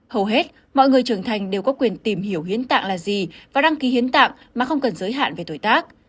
hầu hết mọi người trưởng thành đều có quyền tìm hiểu hiến tạng là gì và đăng ký hiến tạng mà không cần giới hạn về tuổi tác